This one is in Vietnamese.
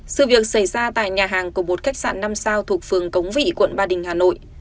sự việc xảy ra tại nhà hàng của một khách sạn năm sao thuộc phường cống vị quận ba đình hà nội